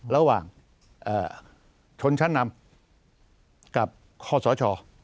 ระหว่างชนชั้นนำกับข้อสช